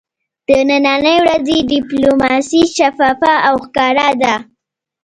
د ننی ورځې ډیپلوماسي شفافه او ښکاره ده